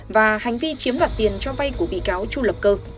và hành vi chiếm đoạt tiền cho vay của bị cáo chu lập cơ